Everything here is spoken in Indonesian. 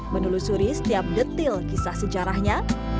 menelusuri setiap detil kisah sejarahnya